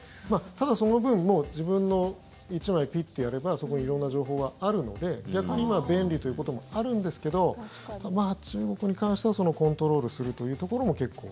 ただ、その分自分の１枚ピッてやればそこに色んな情報があるので逆に便利ということもあるんですけど中国に関してはコントロールするというところも結構。